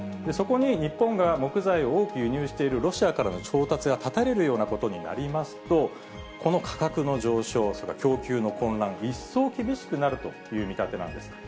そこに日本が木材を多く輸入しているロシアからの調達が絶たれるようなことになりますと、この価格の上昇、それから供給の混乱、一層厳しくなるという見立てなんです。